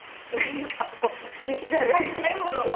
召し上がりたいものを。